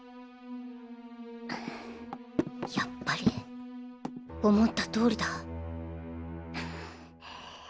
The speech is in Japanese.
やっぱり思ったとおりだ。